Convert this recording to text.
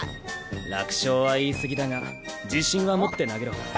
楽勝は言い過ぎだが自信は持って投げろ。